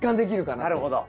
なるほど。